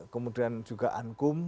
kemudian juga ankum